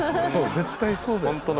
そう絶対そうだよ。